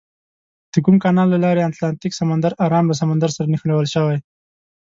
د کوم کانال له لارې اتلانتیک سمندر ارام له سمندر سره نښلول شوي؟